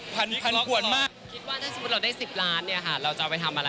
ปีนี้แบบพันละ